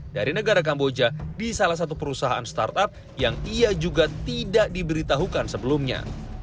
dari negara kamboja di salah satu perusahaan startup yang ia juga tidak diberitahukan sebelumnya